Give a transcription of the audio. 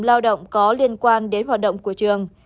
lao động có liên quan đến hoạt động của trường